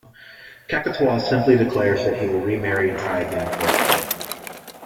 Cacatois simply declares that he will remarry and try again for a son.